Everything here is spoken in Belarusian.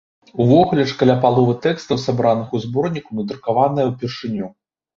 Увогуле ж каля паловы тэкстаў, сабраных у зборніку, надрукаваныя ўпершыню.